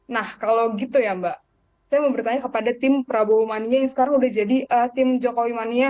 nah kalau gitu ya mbak saya mau bertanya kepada tim prabowo mania yang sekarang udah jadi tim jokowi mania